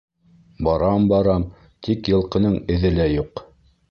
Барам-барам, тик йылҡының эҙе лә юҡ.